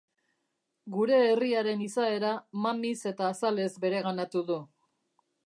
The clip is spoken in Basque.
Gure herriaren izaera mamiz eta azalez bereganatu du.